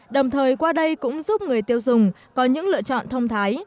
đồng thời qua đây cũng giúp người tiêu dùng có những lựa chọn thông thái